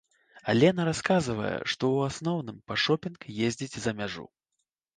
Алена расказвае, што ў асноўным па шопінг ездзіць за мяжу.